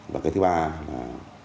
và cái thứ ba là